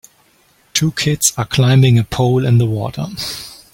Two kids are climbing a pole in the water.